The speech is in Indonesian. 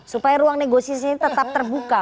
supaya ruang negosiasi ini tetap terbuka